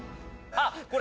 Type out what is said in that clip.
あっこれ！